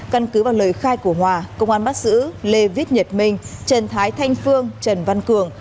căn cứ vào lời khai của hòa công an bắt giữ lê viết nhật minh trần thái thanh phương trần văn cường